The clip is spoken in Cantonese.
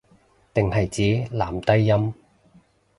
定係指男低音